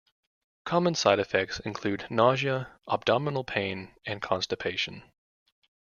Common side effects include nausea, abdominal pain, and constipation.